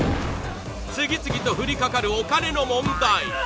次々と降りかかるお金の問題